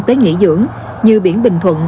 tới nghỉ dưỡng như biển bình thuận